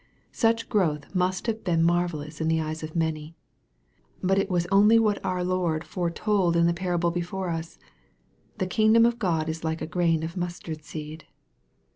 Such growth must have been marvellous in the eyes of many. But it was only what our Lord foretold in the parable before us. "The kingdom of God is like a grain of mustard seed."